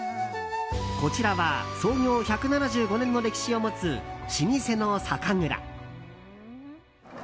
こちらは創業１７５年の歴史を持つ老舗の酒蔵。